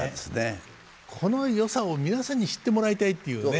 このよさを皆さんに知ってもらいたいっていうね